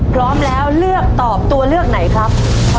พร้อมแล้วเลือกตอบตัวเลือกไหนครับ